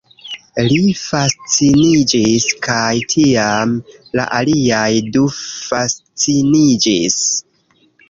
Li fasciniĝis kaj tiam la aliaj du fasciniĝis